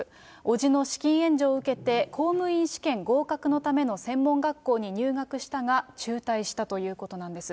伯父の資金援助を受けて、公務員試験合格のための専門学校に入学したが、中退したということなんです。